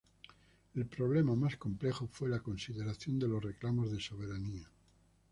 El problema más complejo fue la consideración de los reclamos de soberanía.